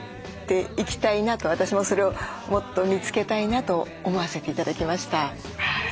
私もそれをもっと見つけたいなと思わせて頂きました。